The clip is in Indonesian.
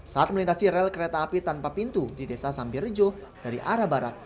saat melintasi rel kereta api tanpa pintu di desa sambirejo dari arah barat